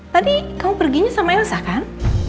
tadi kamu perginya sama elsa kan